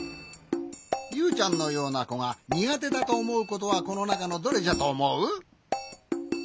ユウちゃんのようなこがにがてだとおもうことはこのなかのどれじゃとおもう？